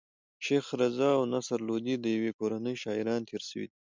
شېخ رضي او نصر لودي د ېوې کورنۍ شاعران تېر سوي دي.